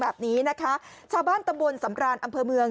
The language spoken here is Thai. แบบนี้นะคะชาวบ้านตำบลสำรานอำเภอเมือง